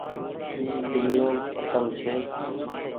اي جملو کتم ڇي۔